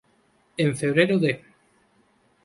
En febrero de.